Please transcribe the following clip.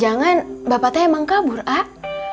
jangan jangan bapak teh emang kabur ah